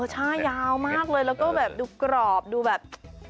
ใช่ยาวมากเลยแล้วก็แบบดูกรอบดูแบบ